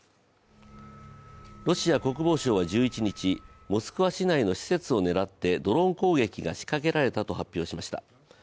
ロシア国防省は１１日、モスクワ市内の施設を狙ってドローン攻撃が仕掛られたと発表しました。